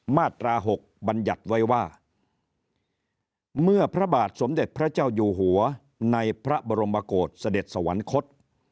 มาตรา๖บรรยัติไว้ว่าเมื่อพระบาทสมเด็จพระเจ้าอยู่หัวในพระบรมโกศเสด็จสวรรคต